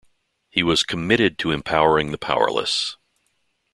He was committed to empowering the powerless.